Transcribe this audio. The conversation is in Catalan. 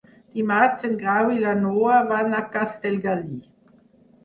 Dimarts en Grau i na Noa van a Castellgalí.